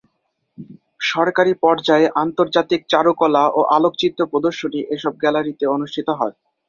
সরকারি পর্যায়ে আন্তর্জাতিক চারুকলা ও আলোকচিত্র প্রদর্শনী এসব গ্যালারিতে অনুষ্ঠিত হয়।